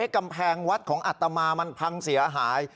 กำแพงวัดของอัตมามันพังเสียหาย